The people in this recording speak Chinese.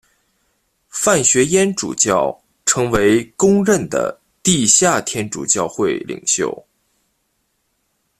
范学淹主教成为公认的地下天主教会领袖。